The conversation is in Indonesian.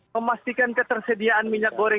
memastikan ketersediaan minyak goreng